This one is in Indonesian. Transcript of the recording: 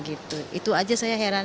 itu aja saya heran